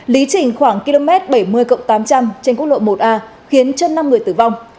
lý trình khoảng km bảy mươi tám trăm linh trên quốc lộ một a khiến chân năm người tử vong